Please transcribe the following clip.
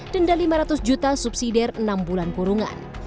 dan lima ratus juta subsidi enam bulan kurungan